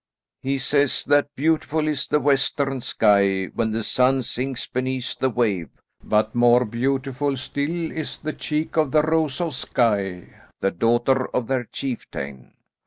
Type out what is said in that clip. "He says that beautiful is the western sky when the sun sinks beneath the wave, but more beautiful still is the cheek of the Rose of Skye, the daughter of their chieftain."